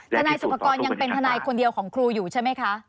นายสุภกรยังเป็นทนายคนเดียวของครูอยู่ใช่ไหมคะ